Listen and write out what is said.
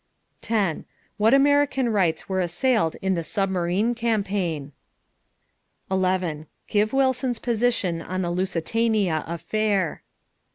10. What American rights were assailed in the submarine campaign? 11. Give Wilson's position on the Lusitania affair.